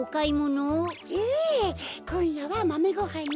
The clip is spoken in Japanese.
ええこんやはまめごはんよ。